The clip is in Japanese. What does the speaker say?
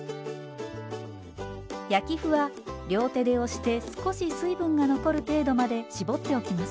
焼き麩は両手で押して少し水分が残る程度まで絞っておきます。